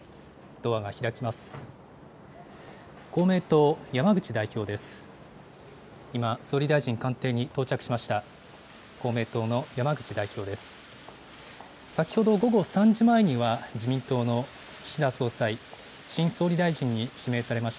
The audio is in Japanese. ドアが開きます。